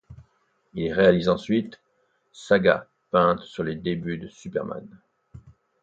Ils réalisent ensuite ', saga peinte sur les débuts de Superman.